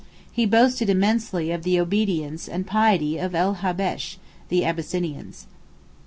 He boasted immensely of the obedience and piety of El Habbesh (the Abyssinians).